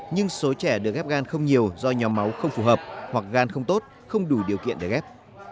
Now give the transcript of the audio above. nhưng số trẻ được ghép gan không nhiều do nhóm máu không phù hợp hoặc gan không tốt không đủ điều kiện để ghép